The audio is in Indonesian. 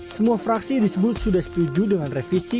semua fraksi disebut sudah setuju dengan revisi